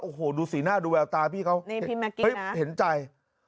โอ้โหดูสีหน้าดูแววตาพี่เขาเห็นใจ